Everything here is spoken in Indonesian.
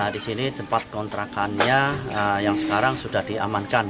di sini tempat kontrakannya yang sekarang sudah diamankan